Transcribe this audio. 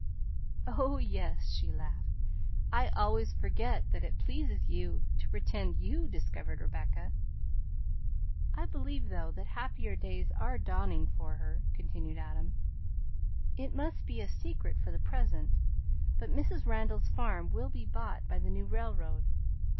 "Oh, yes!" she laughed. "I always forget that it pleases you to pretend you discovered Rebecca." "I believe, though, that happier days are dawning for her," continued Adam. "It must be a secret for the present, but Mrs. Randall's farm will be bought by the new railroad.